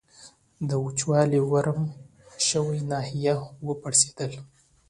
د وچولې ورم شوې ناحیه و پړسېدل.